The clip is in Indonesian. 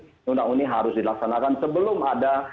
undang undang harus dilaksanakan sebelum ada